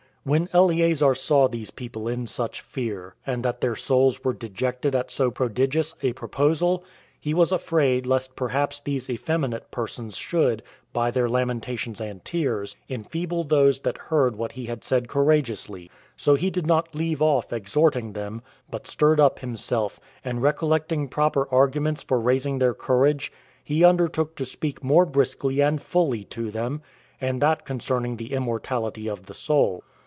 When Eleazar saw these people in such fear, and that their souls were dejected at so prodigious a proposal, he was afraid lest perhaps these effeminate persons should, by their lamentations and tears, enfeeble those that heard what he had said courageously; so he did not leave off exhorting them, but stirred up himself, and recollecting proper arguments for raising their courage, he undertook to speak more briskly and fully to them, and that concerning the immortality of the soul.